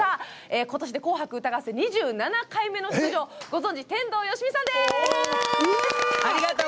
今年で、「紅白歌合戦」２７回目の出場、ご存じ天童よしみさんです！